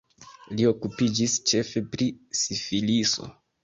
Li okupiĝis ĉefe pri sifiliso.